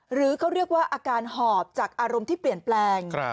หรือเขาเรียกว่าอาการหอบจากอารมณ์ที่เปลี่ยนแปลง